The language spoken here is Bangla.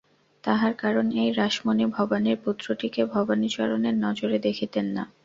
তাহার কারণ এই, রাসমণি ভবানীর পুত্রটিকে ভবানীচরণের নজরে দেখিতেন না।